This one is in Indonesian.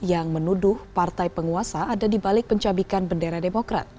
yang menuduh partai penguasa ada di balik pencabikan bendera demokrat